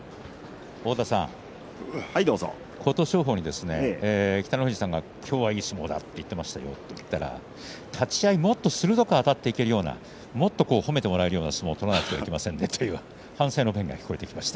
琴勝峰に北の富士さんが今日はいい相撲だと言っていましたよと言ったら立ち合いもっと鋭くあたっていけるようなもっと褒めてもらえるような相撲を取らなくてはいけませんねと反省の弁が聞こえてきました。